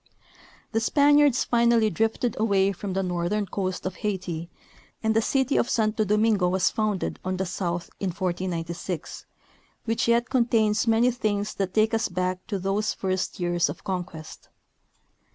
195 The Spaniards finally drifted away from the northern coast of Haiti, and the city of Santo Domingo was founded on the south in 1 496, which yet contains many things that take us back to those first years of conquest.